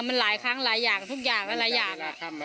มันหลายครั้งหลายอย่างทุกอย่างหลายอย่าง